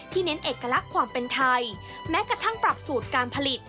เน้นเอกลักษณ์ความเป็นไทยแม้กระทั่งปรับสูตรการผลิต